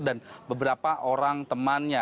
dan beberapa orang temannya